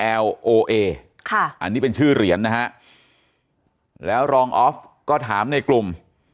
เอค่ะอันนี้เป็นชื่อเหรียญนะฮะแล้วรองออฟก็ถามในกลุ่ม